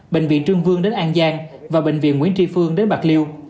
bệnh viện trương vương đến an giang và bệnh viện nguyễn tri phương đến bạc liêu